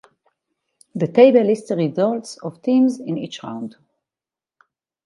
The table lists the results of teams in each round.